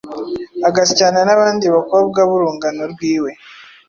Agasyana n’abandi bakobwa b’urungano rwiwe